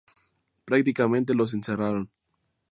Prácticamente los encerraron.